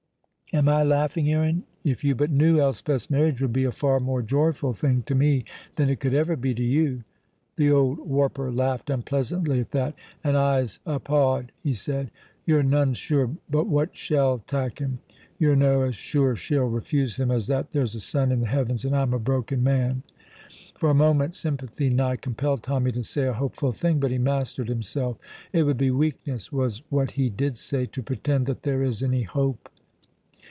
"Am I laughing, Aaron? If you but knew, Elspeth's marriage would be a far more joyful thing to me than it could ever be to you." The old warper laughed unpleasantly at that. "And I'se uphaud," he said, "you're none sure but what shell tak' him! You're no as sure she'll refuse him as that there's a sun in the heavens, and I'm a broken man." For a moment sympathy nigh compelled Tommy to say a hopeful thing, but he mastered himself. "It would be weakness," was what he did say, "to pretend that there is any hope."